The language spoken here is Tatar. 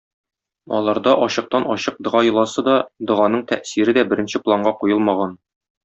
Аларда ачыктан ачык дога йоласы да, доганың тәэсире дә беренче планга куелмаган.